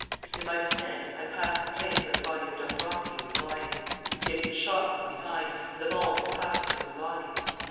In my descent I passed the place where the body of Dombrowski was lying. He had been shot from behind, and the ball had passed through his body.